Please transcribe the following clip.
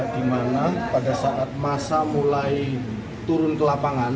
dimana pada saat masa mulai turun ke lapangan